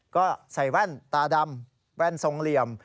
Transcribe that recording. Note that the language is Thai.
ก็ใส่แว่นตาดำแว่นทรงเหลี่ยม